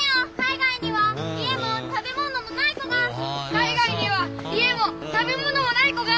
海外には家も食べ物もない子が。